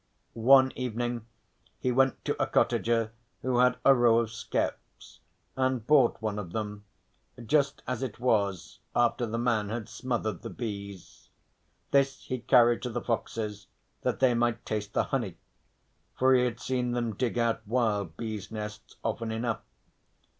One evening he went to a cottager who had a row of skeps, and bought one of them, just as it was after the man had smothered the bees. This he carried to the foxes that they might taste the honey, for he had seen them dig out wild bees' nests often enough.